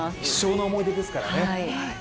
一生の思い出ですからね。